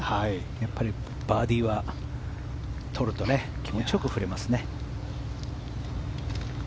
やっぱりバーディーは取ると気持ちよく振れますね。